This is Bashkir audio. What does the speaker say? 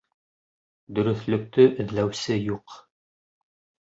Дөрөҫлөктө эҙләүсе юҡ.